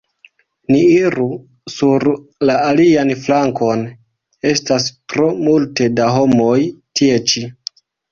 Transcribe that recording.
Ni iru sur la alian flankon; estas tro multe da homoj tie ĉi.